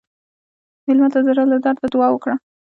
مېلمه ته د زړه له درده دعا ورکړه.